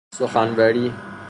سخنوری